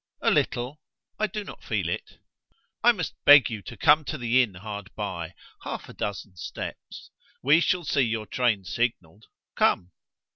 "A little. I do not feel it." "I must beg you to come to the inn hard by half a dozen steps. We shall see your train signalled. Come."